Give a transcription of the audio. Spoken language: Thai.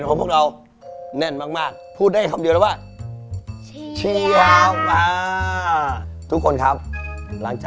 ต้องไปทำแผนที่เราวางไว้เลยค่ะ